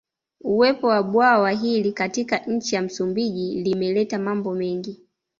Uwepo wa bwawa hili katika nchi ya Msumbiji limeleta mambo mengi